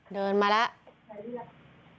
เดินมาแล้ว